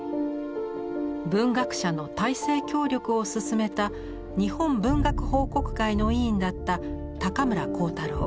文学者の体制協力をすすめた日本文学報国会の委員だった高村光太郎。